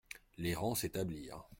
Les rangs s'établirent.